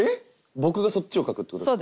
僕がそっちを書くってことですか？